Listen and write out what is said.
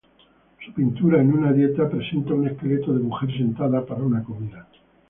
Su pintura "En una Dieta" presenta un esqueleto de mujer sentada para una comida.